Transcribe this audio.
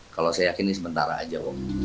kalau saya yakin ini sementara aja